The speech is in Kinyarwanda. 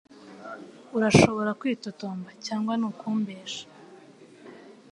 urashobora kwitotomba cyangwa nukumbesha